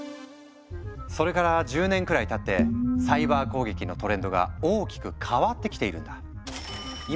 それから１０年くらいたってサイバー攻撃のトレンドが大きく変わってきているんだ。